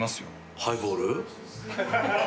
ハイボール？